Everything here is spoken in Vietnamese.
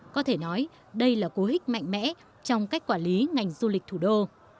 có thể nói đây là cố hích mạnh mẽ trong cách quản lý ngành du lịch thủ đô